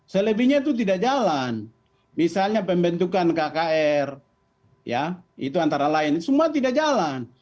selebihnya itu tidak jalan misalnya pembentukan kkr ya itu antara lain semua tidak jalan